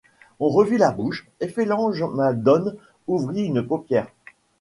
On revit la bouche, et Phelem-ghe-madone ouvrit une paupière.